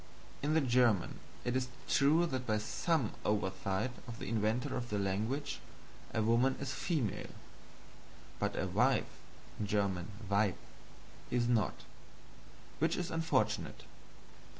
In the German it is true that by some oversight of the inventor of the language, a Woman is a female; but a Wife (Weib) is not which is unfortunate.